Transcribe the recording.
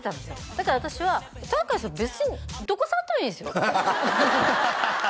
だから私は「圭哉さん別にどこ触ってもいいですよ」って